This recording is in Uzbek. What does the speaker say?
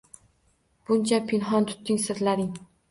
Buncha pinhon tutding sirlaring